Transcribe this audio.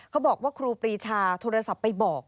เขาบอกว่าครูปรีชาโทรศัพท์ไปบอก